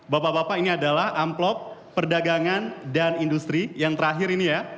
bapak bapak ini adalah amplop perdagangan dan industri yang terakhir ini ya